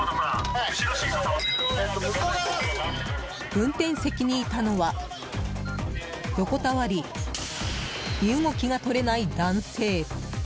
運転席にいたのは横たわり身動きがとれない男性。